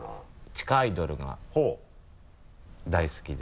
地下アイドルが大好きで。